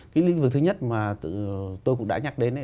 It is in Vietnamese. cái lĩnh vực thứ nhất mà tôi cũng đã nhắc đến